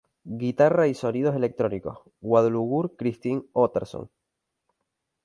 Guitarra y sonidos electrónicos: Guðlaugur Kristinn Óttarsson.